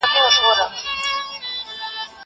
کتاب وليکه.